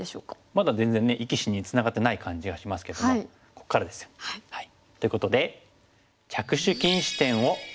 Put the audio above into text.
まだ全然ね生き死ににつながってない感じがしますけどもここからですよ。ということで。